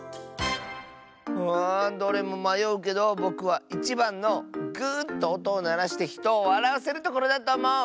あどれもまようけどぼくは１ばんの「ぐとおとをならしてひとをわらわせるところ」だとおもう！